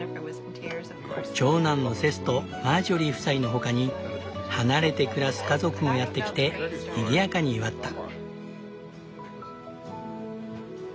長男のセスとマージョリー夫妻の他に離れて暮らす家族もやって来てにぎやかに祝った。